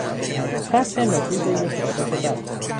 تحت نفوذ یک عادت بد